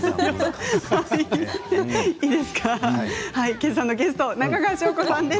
けさのゲスト中川翔子さんです。